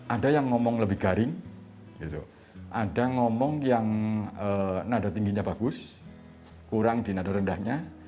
ada yang ngomong lebih garing ada ngomong yang nada tingginya bagus kurang di nada rendahnya